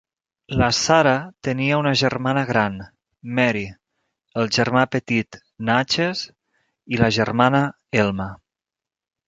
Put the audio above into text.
La Sarah tenia una germana gran, Mary, el germà petit Natchez i la germana Elma.